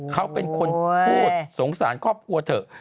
เขาเป็นคนพูดสงสารครอบครัวเถอะ